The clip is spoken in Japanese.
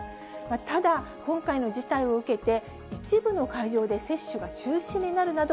ただ、今回の事態を受けて、一部の会場で接種が中止になるなど、